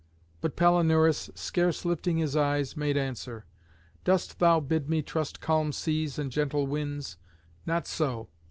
But Palinurus, scarce lifting his eyes, made answer: "Dost thou bid me trust calm seas and gentle winds? Not so.